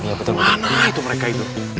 mana itu mereka itu